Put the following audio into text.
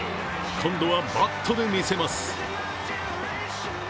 今度はバットで見せます。